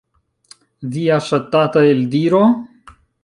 Via ŝatata eldiro?